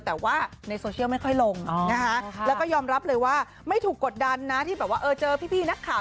แต่ว่าในโซเชียลไม่ค่อยลงนะคะแล้วก็ยอมรับเลยว่าไม่ถูกกดดันนะที่แบบว่าเจอพี่นักข่าว